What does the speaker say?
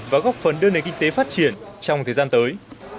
và góp phần đưa nền kinh tế phát triển trong thời gian tới